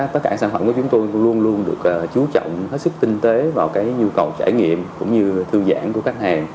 tất cả sản phẩm của chúng tôi luôn luôn được chú trọng hết sức tinh tế vào nhu cầu trải nghiệm cũng như thư giãn của khách hàng